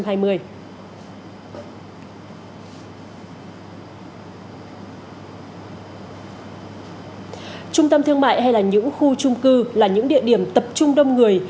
trung tâm thương mại hay là những khu trung cư là những địa điểm tập trung đông người